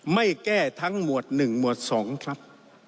ไม่แก้ทั้งหมวดหนึ่งหมวดสองครับ